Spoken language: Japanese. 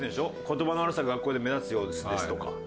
「言葉の悪さが学校で目立つようです」とか。